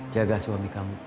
jaga suami kamu